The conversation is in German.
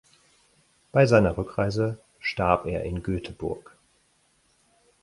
Bei seiner Rückreise starb er in Göteborg.